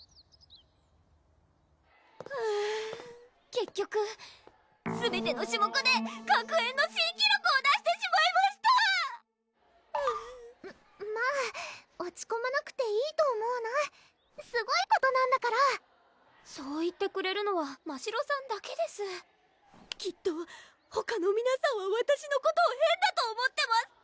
結局すべての種目で学園の新記録を出してしまいましたままぁ落ちこまなくていいと思うなすごいことなんだからそう言ってくれるのはましろさんだけですきっとほかの皆さんはわたしのことを変だと思ってます